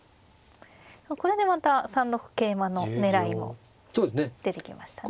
これでまた３六桂馬の狙いも出てきましたね。